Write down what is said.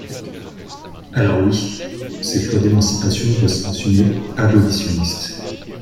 Alors oui, cette loi d’émancipation doit s’assumer abolitionniste.